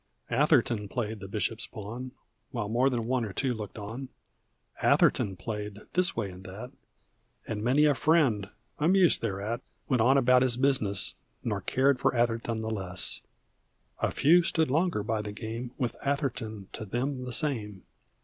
Atherton played the bishop's pawn While more than one or two looked on; Atherton played this way and that, And many a friend, amused thereat, Went on about his business Nor cared for Atherton the less; A few stood longer by the game. With Atherton to them the same.